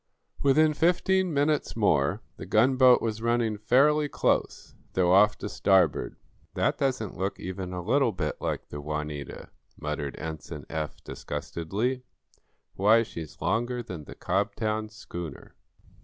Within fifteen minutes more the gunboat was running fairly close, though off to starboard. "That doesn't look even a little bit like the 'Juanita,'" muttered Ensign Eph, disgustedly. "Why, she's longer than the Cobtown schooner.